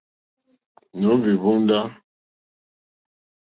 Nǒhwì hwóndá.